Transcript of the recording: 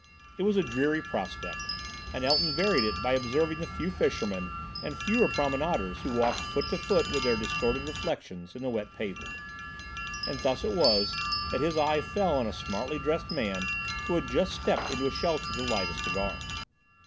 It was a dreary prospect, and Elton varied it by observing the few fishermen and fewer promenaders who walked foot to foot with their distorted reflections in the wet pavement; and thus it was that his eye fell on a smartly dressed man who had just stepped into a shelter to light a cigar.